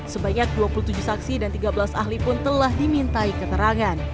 sebanyak dua puluh tujuh saksi dan tiga belas ahli pun telah dimintai keterangan